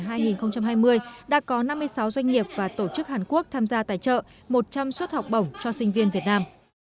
đã có năm mươi sáu doanh nghiệp và tổ chức hàn quốc tham gia tài trợ một trăm linh suất học bổng cho sinh viên việt nam